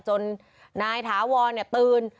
จนนายถาวรตื่น